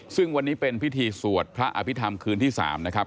ซึ่งวันนี้เป็นพิธีสวดพระอภิษฐรรมคืนที่๓นะครับ